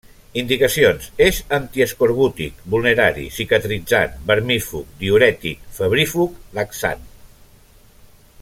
Indicacions: és antiescorbútic, vulnerari, cicatritzant, vermífug, diürètic, febrífug, laxant.